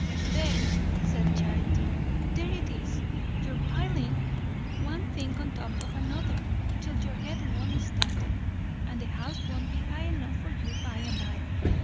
"There!" said Charity. "There it is! You're pilin' one thing on top of another, till your head won't stand it; and the house won't be high enough for you by and by.